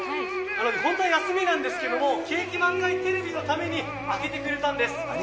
本当は休みなんですけど景気満開テレビのために開けてくれたんです。